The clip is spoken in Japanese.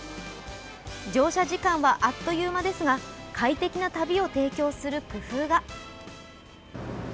乗車時間はあっという間ですが、快適な旅を提供する工夫が。